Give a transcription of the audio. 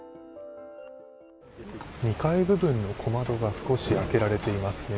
２階部分の小窓が少し開けられていますね。